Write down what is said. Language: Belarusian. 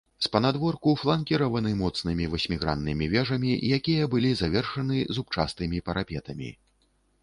З панадворку фланкіраваны моцнымі васьміграннымі вежамі, якія былі завершаны зубчастымі парапетамі.